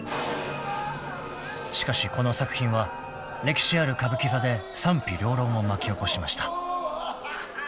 ［しかしこの作品は歴史ある歌舞伎座で賛否両論を巻き起こしました］